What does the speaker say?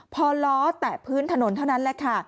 พอล้อแตะพื้นถนนเท่านั้นแหละค่ะ